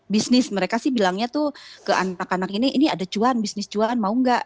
bisnis mereka sih bilangnya tuh ke anak anak ini ini ada cuan bisnis jualan mau nggak